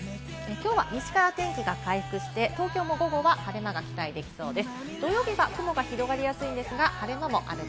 きょうは西から天気が回復して、東京も午後は晴れ間が期待できそうです。